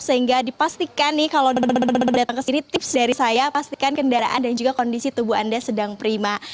sehingga dipastikan nih kalau datang ke sini tips dari saya pastikan kendaraan dan juga kondisi tubuh anda sedang prima